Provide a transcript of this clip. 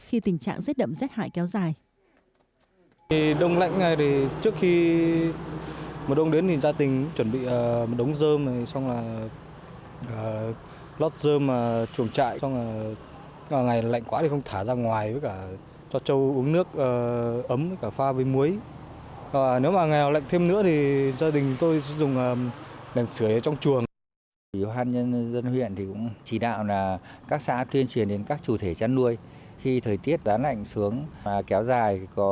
khi tình trạng rét đậm rét hại kéo dài